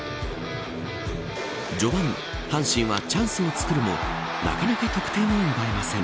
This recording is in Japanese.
序盤、阪神はチャンスをつくるもなかなか得点を奪えません。